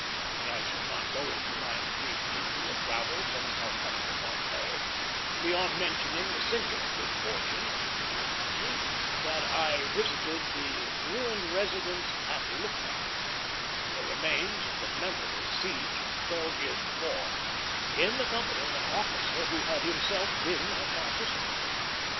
I shall not go into my brief India travel from Calcutta to Bombay, beyond mentioning the singular good fortune, as it appeared to me, that I visited the ruined residence at Lucknow, and the remains of the memorable siege of twelve years before, in the company of an officer who had himself been a participant.